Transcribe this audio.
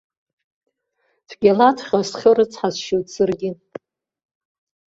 Цәгьалаҵәҟьа схы рыцҳасшьоит саргьы.